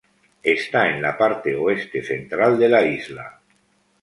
Está en la parte oeste central de la isla.